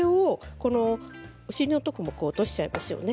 お尻のところも落としちゃいましょうね。